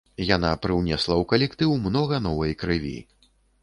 Яна прыўнесла ў калектыў многа новай крыві.